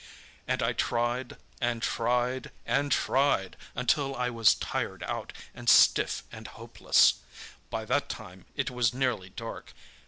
"And I tried—and tried—and tried—until I was tired out, and stiff and hopeless. By that time it was nearly dark.